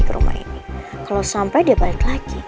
baru aku pulang